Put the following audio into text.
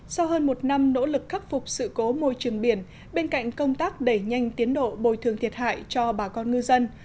sau hơn một năm nỗ lực khắc phục sự cố môi trường biển bên cạnh công tác đẩy nhanh tiến độ bồi thường thiệt hại cho bà con ngư dân